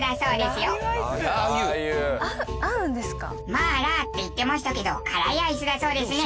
「麻辣」って言ってましたけど辛いアイスだそうですね。